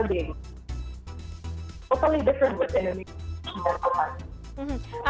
mungkin itu adalah hal yang berbeda dengan indonesia